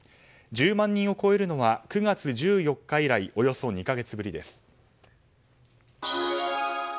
１０万人を超えるのは９月１４日以来およそ２か月ぶりです。